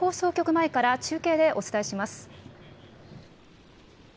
前から、中継でお伝えします。